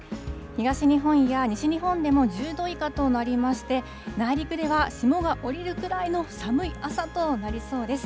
東日本や西日本でも１０度以下となりまして、内陸では霜が降りるくらいの寒い朝となりそうです。